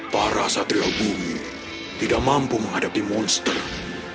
para satria bumi tidak mampu menghadapi monster